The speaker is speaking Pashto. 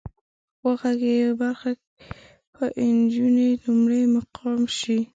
د وغږېږئ برخه کې به انجونې لومړی مقام شي.